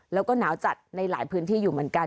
แล้วก็หนาวจัดในหลายพื้นที่อยู่เหมือนกัน